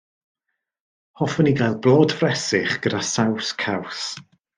Hoffwn i gael blodfresych gyda saws caws.